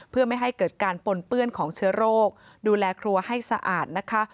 เพื่อไม่ให้เกิดการปนเปื้อนของเชื้อโรคดูแลครัวให้สะอาดนะคะ